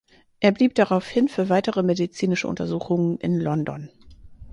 Er blieb daraufhin für weitere medizinische Untersuchungen in London.